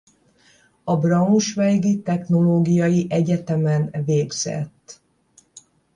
A Braunschweigi Technológiai Egyetemen végzett.